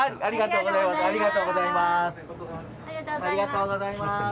ありがとうございます。